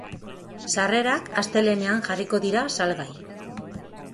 Sarrerak astelehenean jarriko dira salgai.